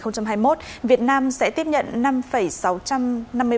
năm hai nghìn hai mươi một việt nam sẽ tiếp nhận